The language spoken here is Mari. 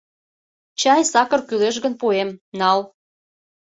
Чай-сакыр кӱлеш гын, пуэм, нал...